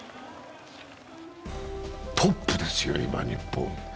トップですよ、今、日本。